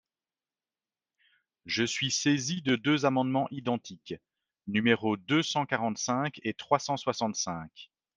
Je suis saisi de deux amendements identiques, numéros deux cent quarante-cinq et trois cent soixante-cinq.